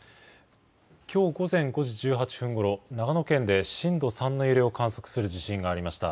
きょう午前５時１８分ごろ、長野県で震度３の揺れを観測する地震がありました。